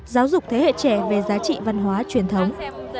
giáo dục thế hệ trẻ về giá trị văn hóa truyền thống